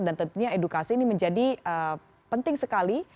dan tentunya edukasi ini menjadi penting sekali